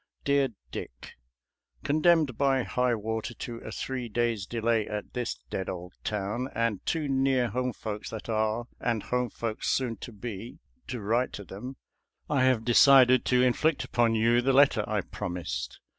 Dear Dick: Condemned by high water to a three days' delay at this dead old town, and too near homefolks that are and homefolks soon to be, to write to them, I have decided to inflict upon you the letter I promised.